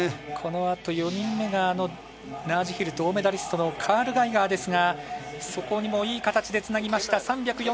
このあと、４人目がラージヒル銅メダリストのカール・ガイガーがですがそこにもいい形でつなぎました。